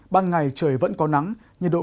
băng ngày trời vẫn có mưa vài nơi về chiều tối